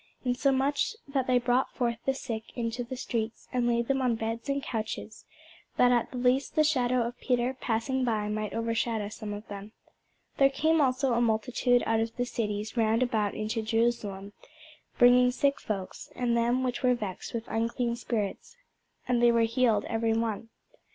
Insomuch that they brought forth the sick into the streets, and laid them on beds and couches, that at the least the shadow of Peter passing by might overshadow some of them. There came also a multitude out of the cities round about unto Jerusalem, bringing sick folks, and them which were vexed with unclean spirits: and they were healed every one.